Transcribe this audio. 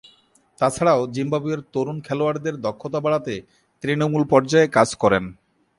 তাছাড়াও, জিম্বাবুয়ের তরুণ খেলোয়াড়দের দক্ষতা বাড়াতে তৃণমূল পর্যায়ে কাজ করেন।